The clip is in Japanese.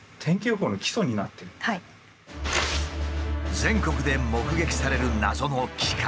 全国で目撃される謎の機械。